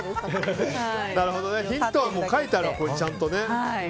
ヒントは書いてあるわちゃんとね。